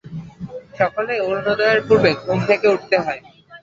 সকলকেই অরুণোদয়ের পূর্বে ঘুম থেকে উঠতে হয়।